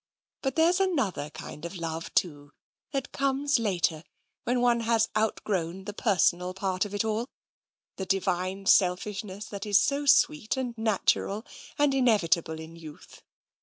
But there's an other kind of love, too, that comes later, when one has outgrown the personal part of it all — the divine sel fishness that is so sweet and natural and inevitable in youth.